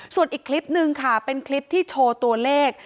ส่วนอีกคลิปนึงค่ะเป็นคลิปที่โชว์ตัวเลข